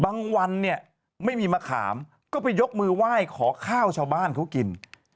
วันเนี่ยไม่มีมะขามก็ไปยกมือไหว้ขอข้าวชาวบ้านเขากิน